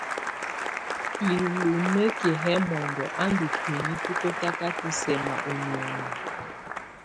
Ilunǝki yɛ mɔndɔ a ndù ntuinyii tu kɔtakatɔ sɛma u nioni.